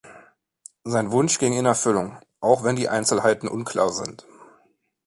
Sein Wunsch ging in Erfüllung, auch wenn die Einzelheiten unklar sind.